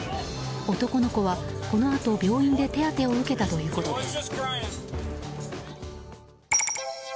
男の子は、このあと病院で手当てを受けたということです。